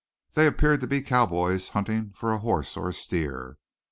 They appeared to be cowboys hunting for a horse or a steer.